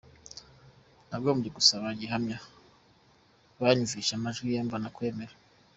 Nagombye gusaba gihamya banyumvisha amajwi ye mbona kwemera.